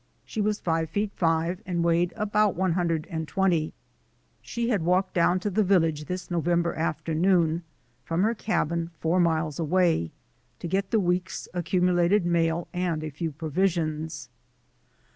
She was five feet five, and weighed about one hundred and twenty. She had walked down to the village this November afternoon from her cabin four miles away, to get the week's accumulated mail and a few provisions.